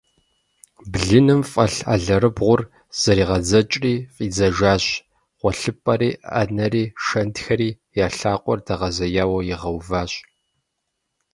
Блыным фӀэлъ алэрыбгъур зэригъэдзэкӀри фӀидзэжащ, гъуэлъыпӀэри, Ӏэнэри, шэнтхэри я лъакъуэр дэгъэзеяуэ игъэуващ.